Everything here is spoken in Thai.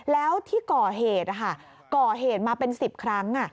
แล้วที่ก่อเหตุก่อเหตุมาเป็น๑๐ครั้ง